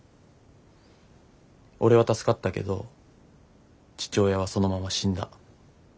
俺は助かったけど父親はそのまま死んだ。